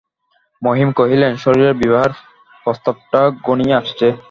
মহিম কহিলেন, শশীর বিবাহের প্রস্তাবটা ঘনিয়ে আসছে।